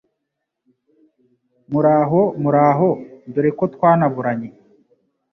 Muraho, muraho! Dore ko twanaburanye